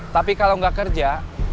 tapi kalau gak kerja